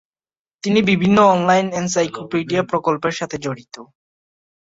তিনি বিভিন্ন online encyclopedia প্রকল্পের সাথে জড়িত।